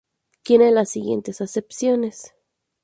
Tiene las siguientes acepciones.